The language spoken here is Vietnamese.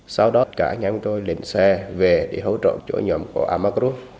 sau đó cả anh em của tôi lên xe về để hỗ trợ chỗ nhóm của amagru